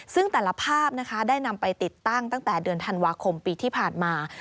ซึ่งแต่ละภาพนะคะได้นำไปติดตั้งแต่เดือนธันวาคมปีที่ผ่านมา